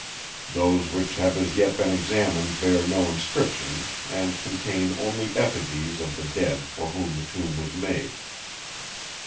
Those which have as yet been examined bear no inscriptions, and contain only effigies of the dead for whom the tomb was made."